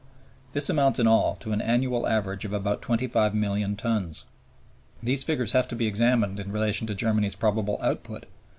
This amounts in all to an annual average of about 25,000,000 tons. These figures have to be examined in relation to Germany's probable output.